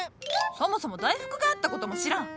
そもそも大福があった事も知らん！